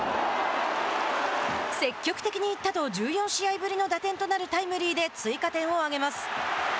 積極的にいったと１４試合ぶりの打点となるタイムリーで追加点を挙げます。